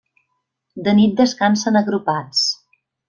De nit descansen agrupats.